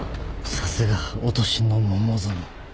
さすが落としの桃園。